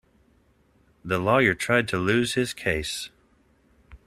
The lawyer tried to lose his case.